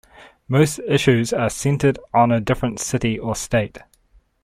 Most issues are centered on a different city or state.